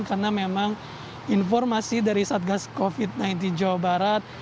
karena memang informasi dari satgas covid sembilan belas jawa barat